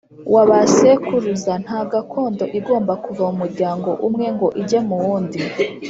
Wa ba sekuruza nta gakondo igomba kuva mu muryango umwe ngo ijye mu wundi